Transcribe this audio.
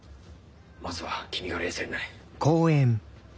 まずは君が冷静になれ！